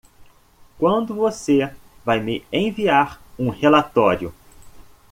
Quando você vai me enviar um relatório?